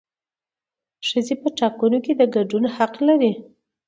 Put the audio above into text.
ښځې په ټاکنو کې د ګډون حق نه لري